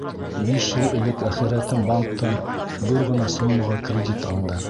— Биш йыл элек әхирәтем банктан ҙур ғына суммаға кредит алды.